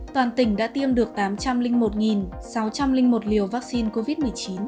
toàn tỉnh đã tiêm được tám trăm linh một sáu trăm linh một liều vaccine covid một mươi chín